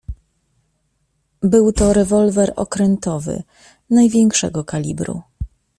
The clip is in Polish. "Był to rewolwer, okrętowy, największego kalibru."